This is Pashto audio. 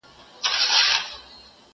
زه اجازه لرم چي کتابتون ته کتاب وړم!؟